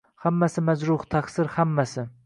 Hammasi majruh, taqsir, hammasi